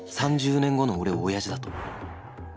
３０年後の俺を親父だと